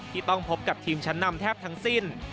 ที่ต้องพบกับทีมชั้นนำแทบทั้งสิ้น